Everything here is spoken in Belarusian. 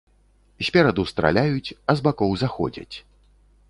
Спераду страляюць, а з бакоў заходзяць.